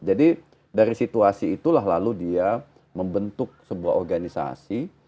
jadi dari situasi itulah lalu dia membentuk sebuah organisasi